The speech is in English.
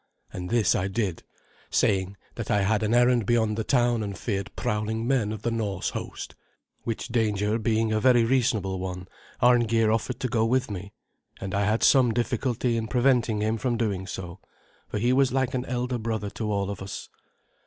And this I did, saying that I had an errand beyond the town and feared prowling men of the Norse host. Which danger being a very reasonable one, Arngeir offered to go with me; and I had some difficulty in preventing him from doing so, for he was like an elder brother to all of us.